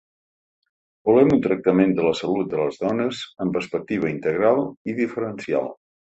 Volem un tractament de la salut de les dones amb perspectiva integral i diferencial.